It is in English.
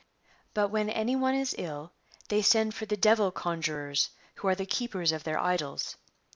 But when any one is ill they send for the Devil conjurors who are the keepers of their idols.